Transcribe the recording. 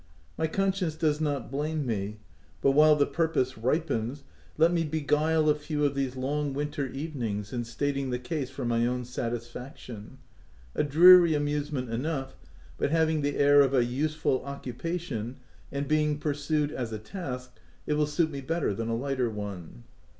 My conscience does not blame me, but while the purpose ripens, let me beguile a VOL. III. B ~c f THE TENANT. few of these long winter evenings in stating the case for my own satisfaction — a dreary amusement enough, but having the air of a use ful occupation, and being pursued as a task, it will suit me better than a lighter one.